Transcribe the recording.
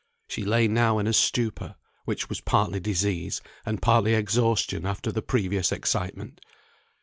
She lay now in a stupor, which was partly disease, and partly exhaustion after the previous excitement.